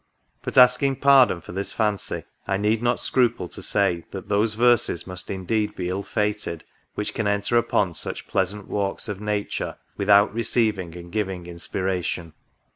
But, asking pardon for this fancy, I need not scruple to say, that those verses must indeed be ill fated which can enter upon such pleasant walks of nature, without receiving and giving in spiration.